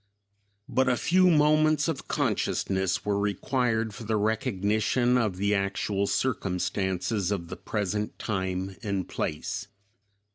But a few moments of consciousness were required for the recognition of the actual circumstances of the present time and place.